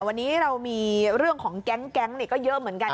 วันนี้เรามีเรื่องของแก๊งก็เยอะเหมือนกัน